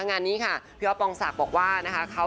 งานนี้ค่ะพี่อ๊อปปองศักดิ์บอกว่านะคะ